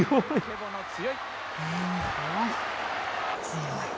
強い。